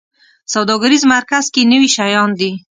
سوداګریز مرکز کې نوي شیان دي